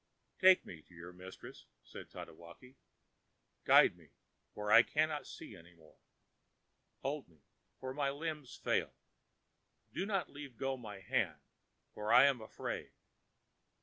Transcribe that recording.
ã ãTake me to your mistress,ã said Tatewaki. ãGuide me, for I cannot see any more. Hold me, for my limbs fail. Do not leave go my hand, for I am afraid.